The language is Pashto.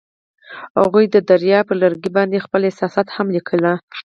هغوی د دریا پر لرګي باندې خپل احساسات هم لیکل.